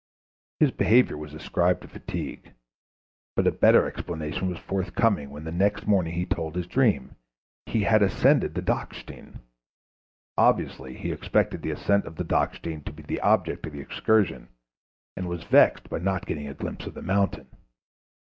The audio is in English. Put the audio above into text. His behavior was ascribed to fatigue; but a better explanation was forthcoming when the next morning he told his dream: he had ascended the Dachstein. Obviously he expected the ascent of the Dachstein to be the object of the excursion, and was vexed by not getting a glimpse of the mountain.